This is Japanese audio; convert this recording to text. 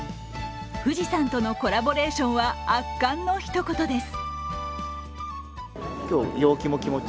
富士山とのコラボレーションは圧巻のひと言です。